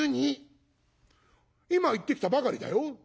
「今行ってきたばかりだよ」。